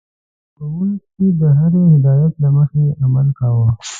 زده کوونکي د هرې هدايت له مخې عمل کاوه.